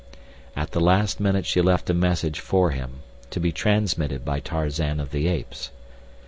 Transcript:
And at the last minute she left a message for him, to be transmitted by Tarzan of the Apes.